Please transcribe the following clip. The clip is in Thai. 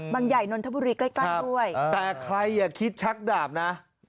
ใหญ่นนทบุรีใกล้ใกล้ด้วยแต่ใครอย่าคิดชักดาบนะ